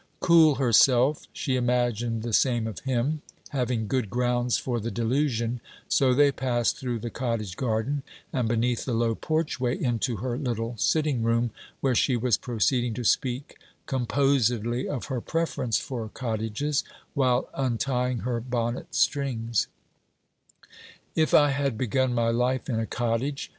Cool herself, she imagined the same of him, having good grounds for the delusion; so they passed through the cottage garden and beneath the low porchway, into her little sitting room, where she was proceeding to speak composedly of her preference for cottages, while untying her bonnet strings: 'If I had begun my life in a cottage!'